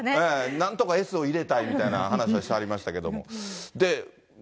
なんとかＳを入れたいみたいな話はしてはりましたけども。